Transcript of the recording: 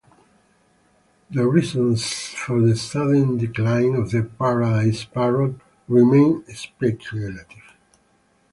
The reasons for the sudden decline of the paradise parrot remain speculative.